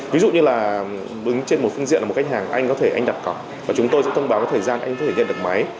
ví dụ như là đứng trên một phương diện là một khách hàng anh có thể anh đặt cọc và chúng tôi sẽ thông báo với thời gian anh có thể nhận được máy